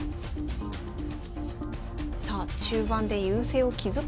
さあ中盤で優勢を築くと。